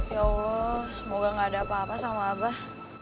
ya allah semoga gak ada apa apa sama abah